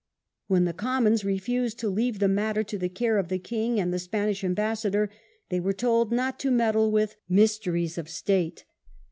When the Commons refused to leave the matter to the care of the king and the Spanish ambassador, they were told not to meddle with "mysteries of state".